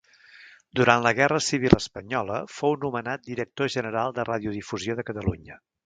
Durant la guerra civil espanyola fou nomenat Director General de Radiodifusió de Catalunya.